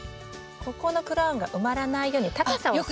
ここのクラウンが埋まらないように高さをそろえる。